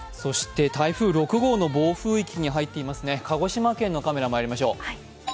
台風６号の暴風域に入っていますね、鹿児島県のカメラを見てみましょう。